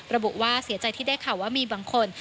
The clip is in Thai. ระบุว่าเสียใจที่ได้ข่าวว่ามีบางคน